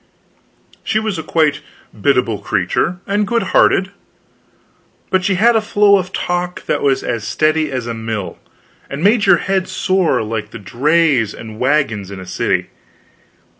She was a quite biddable creature and good hearted, but she had a flow of talk that was as steady as a mill, and made your head sore like the drays and wagons in a city.